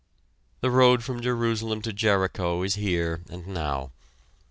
The road from Jerusalem to Jericho is here, and now.